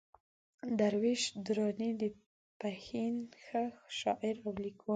درویش درانی د پښين ښه شاعر او ليکوال دئ.